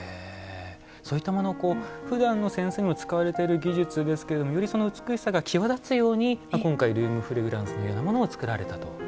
そういったものはふだんの扇子にも使われている技術ですがより美しさが際立つように今回ルームフレグランスのようなもの作られたと。